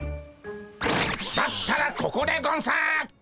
だったらここでゴンス！